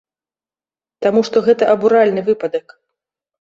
Таму што гэта абуральны выпадак.